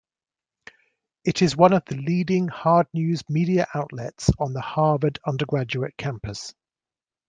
It is one of the leading hard-news media outlets on the Harvard undergraduate campus.